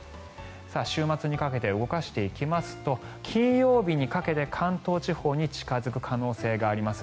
週末にかけて動かしていきますと金曜日にかけて関東地方に近付く可能性があります。